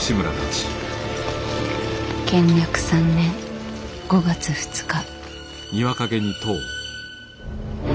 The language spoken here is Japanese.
建暦３年５月２日。